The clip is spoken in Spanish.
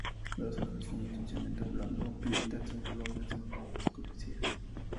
Las hojas son estrechamente oblongo-elípticas u oblongas, agudas, coriáceas.